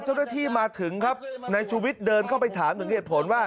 เจ้าหน้าที่มาถึงครับนายชูวิทย์เดินเข้าไปถามถึงเหตุผลว่า